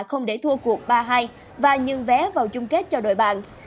không để thua cuộc ba hai và nhường vé vào chung kết cho đội bạn